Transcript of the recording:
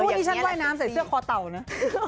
นี่ฉันว่ายน้ำใส่เสื้อคอเต่านะ